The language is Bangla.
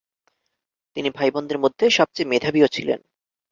তিনি ভাইবোনদের মধ্যে সবচেয়ে মেধাবীও ছিলেন।